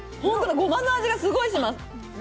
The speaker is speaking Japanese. ごまの味がすごくします。